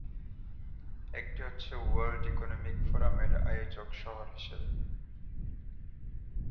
একটি হচ্ছে world economic ফোরামের আয়োজক শহর হিসেবে।